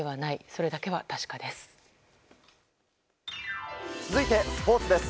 それだけは確かです。